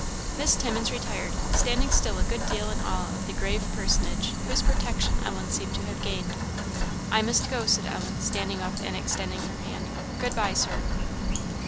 Miss Timmins retired, standing still a good deal in awe of the grave personage whose protection Ellen seemed to have gained. "I must go," said Ellen, standing up and extending her hand; "good bye, Sir."